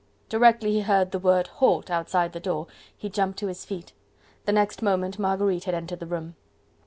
Directly he heard the word: "Halt!" outside the door, he jumped to his feet. The next moment Marguerite had entered the room.